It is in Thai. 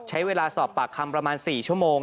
ใช้เวลาสอบปากคำประมาณ๔ชั่วโมง